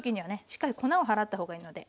しっかり粉を払った方がいいので。